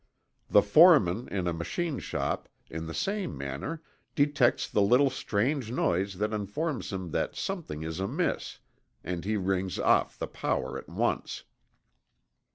The foreman in a machine shop in the same manner detects the little strange noise that informs him that something is amiss, and he rings off the power at once.